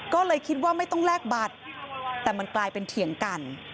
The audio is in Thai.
ก็เลยคิดว่าไม่ต้องแลกบัตรแต่มันกลายเป็นเถียงกัน